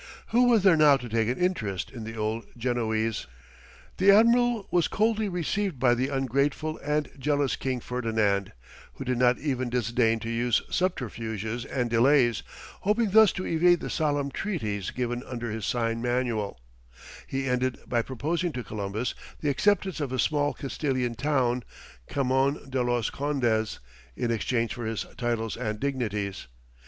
Who was there now to take an interest in the old Genoese? The admiral was coldly received by the ungrateful and jealous king Ferdinand, who did not even disdain to use subterfuges and delays, hoping thus to evade the solemn treaties given under his sign manual; he ended by proposing to Columbus the acceptance of a small Castilian town, Camon de los Condes, in exchange for his titles and dignities.